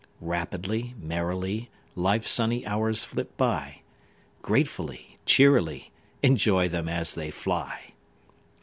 Rapidly, merrily, Life's sunny hours flit by, Gratefully, cheerily Enjoy them as they fly!